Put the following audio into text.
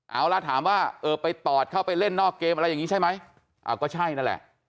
เอาล่ะถามว่าเออไปตอดเข้าไปเล่นนอกเกมอะไรอย่างนี้ใช่ไหมก็ใช่นั่นแหละ